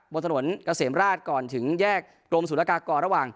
บนถนนเกษมราชก่อนถึงแยกกรมศูนยากากรระหว่าง